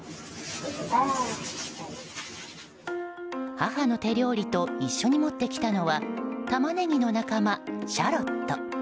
母の手料理と一緒に持ってきたのはタマネギの仲間、シャロット。